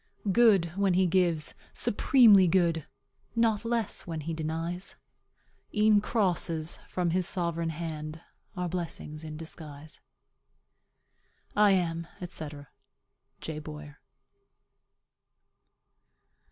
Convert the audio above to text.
"Good when he gives, supremely good; Not less when he denies; E'en crosses from his sovereign hand Are blessings in disguise." I am, &c., J. BOYER.